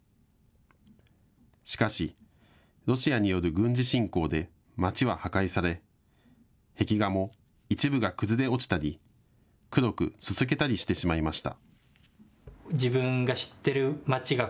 しかしロシアによる軍事侵攻で街は破壊され壁画も一部が崩れ落ちたり黒くすすけたりしてしまいました。